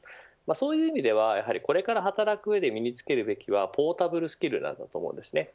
そういう意味では、これから働く上で身に付けるべきはポータブルスキルです。